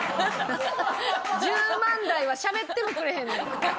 １０万台はしゃべってもくれへんねん。